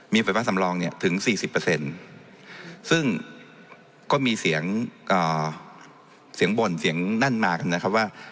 มีไฟฟ้าสำรองเนี่ยถึง๔๐ซึ่งก็มีเสียงเสียงบ่นเสียงนั่นมากันนะครับว่า